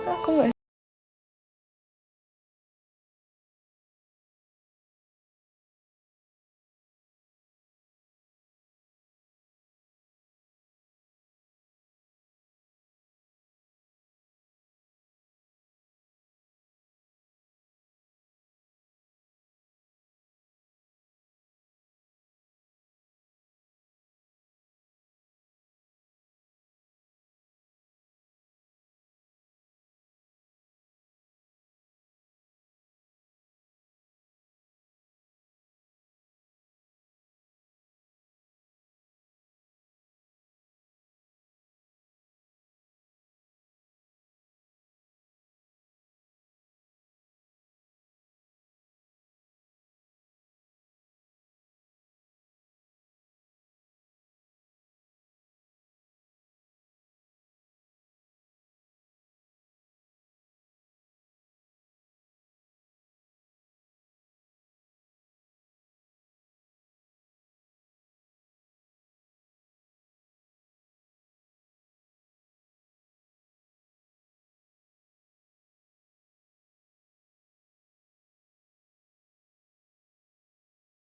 aku mau masuk dulu ya